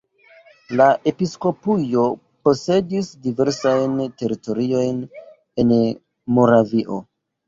La episkopujo posedis diversajn teritoriojn en Moravio.